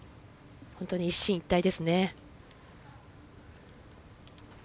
本当に一進一退ですね。